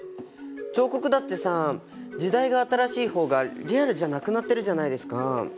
彫刻だってさ時代が新しい方がリアルじゃなくなってるじゃないですか。